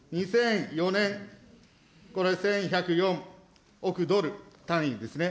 ２００４年、これ、１１０４億ドル単位ですね。